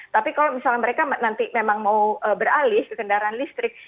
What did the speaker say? tapi kalau misalnya mereka nanti memang mau beralih ke kendaraan listrik